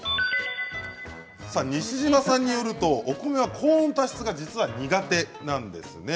西島さんによるとお米は高温多湿が実は苦手なんですね。